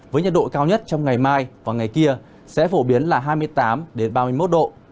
với nhiệt độ cao nhất trong ngày mai và ngày kia sẽ phổ biến là hai mươi tám ba mươi một độ